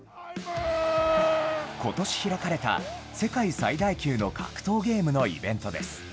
ことし開かれた世界最大級の格闘ゲームのイベントです。